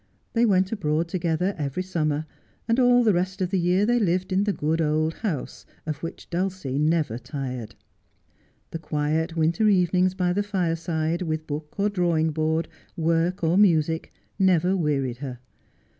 They went abroad together every summer, and all the rest of the year they lived in the good old house, of which Dulcie never tired. The quiet winter evenings by the iireside, with book, or drawing board, work or music, never wearied her.